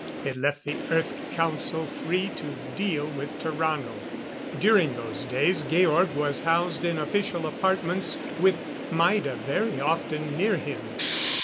It left the Earth Council free to deal with Tarrano. During those days Georg was housed in official apartments, with Maida very often near him.